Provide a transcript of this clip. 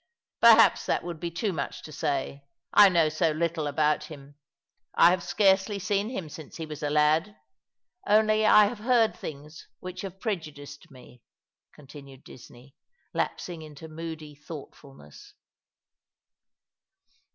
"Perhaps that would be too much to say. I know so little about him. I have scarcely seen him since he was a lad— only I have heard things which have prejudiced me," continued Disney, lasping into moody thoughtfulness.